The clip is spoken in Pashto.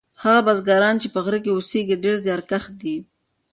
هغه بزګران چې په غره کې اوسیږي ډیر زیارکښ دي.